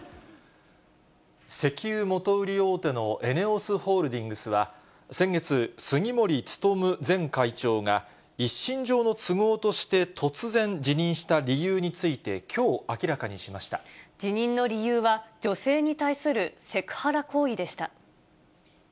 石油元売り大手のＥＮＥＯＳホールディングスは、先月、杉森務前会長が一身上の都合として突然、辞任した理由について、辞任の理由は、女性に対するセクハラ行為でした。